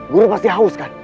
buru pasti haus kan